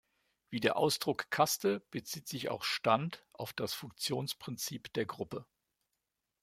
Wie der Ausdruck Kaste bezieht sich auch Stand auf das Funktionsprinzip der Gruppe.